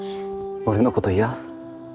俺のこと嫌？